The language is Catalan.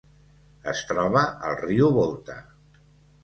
Es troba al riu Volta.